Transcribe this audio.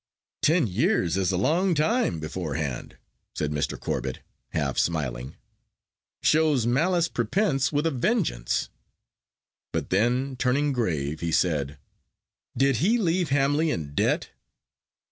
"Ten years is a long time beforehand," said Mr. Corbet, half smiling; "shows malice prepense with a vengeance." But then, turning grave, he said: "Did he leave Hamley in debt?"